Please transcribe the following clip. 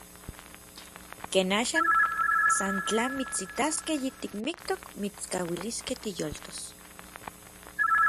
Ken axan, san tla mitsitaskej yitimiktok mitskauiliskej tiyoltos.